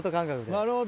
なるほど。